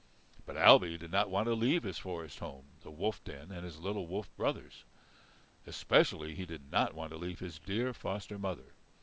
But Ailbe did not want to leave his forest home, the wolf den, and his little wolf brothers. Especially he did not want to leave his dear foster mother.